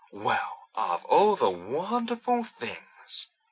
"Well, of all wonderful things!"